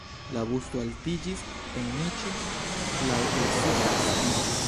La busto altiĝis en niĉo laŭ klasika stilo.